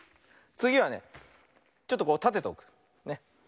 つぎはねちょっとたてておく。ね。